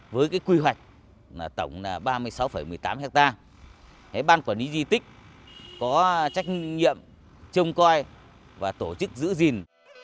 với quy hoạch tổng ba mươi sáu một mươi tám hectare ban quản lý di tích có trách nhiệm trông coi và tổ chức giữ gìn